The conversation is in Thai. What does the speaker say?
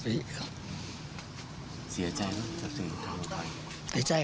เนี่ยเสียใจแล้วแบบสิ่งทำหลักฮะหรือไงใส่ใจ